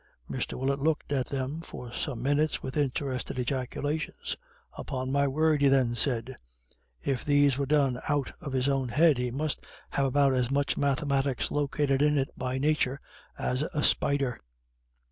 Mr. Willett looked at them for some minutes with interested ejaculations. "Upon my word," he then said, "if these were done out of his own head, he must have about as much mathematics located in it by nature as a spider."